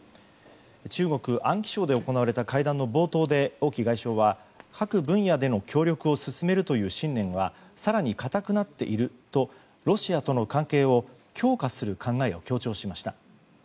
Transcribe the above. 中国・安徽省で行われた会談の冒頭で王毅外相は、各分野での協力を進めるという信念は更に固くなっているとロシアとの関係を強化する考えを強調しました。